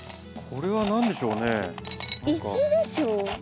これは何でしょうね？